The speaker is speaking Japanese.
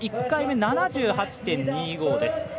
１回目、７８．２５です。